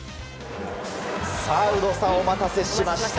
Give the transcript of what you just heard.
有働さん、お待たせしました。